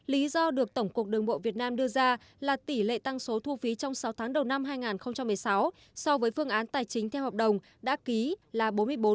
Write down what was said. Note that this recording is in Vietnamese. lý do được tổng cục đường bộ việt nam đưa ra là tỷ lệ tăng số thu phí trong sáu tháng đầu năm hai nghìn một mươi sáu so với phương án tài chính theo hợp đồng đã ký là bốn mươi bốn